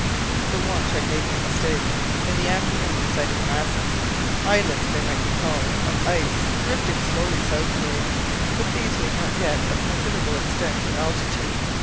The watch had made no mistake. In the afternoon we sighted masses, islets they might be called, of ice, drifting slowly southward, but these were not yet of considerable extent or altitude.